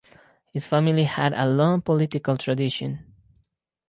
His family had a long political tradition.